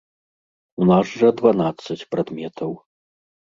У нас жа дванаццаць прадметаў.